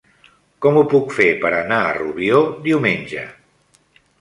Com ho puc fer per anar a Rubió diumenge?